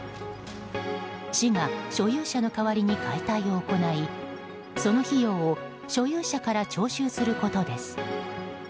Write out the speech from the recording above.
市が所有者の代わりに解体を行いその費用を所有者から徴収することです。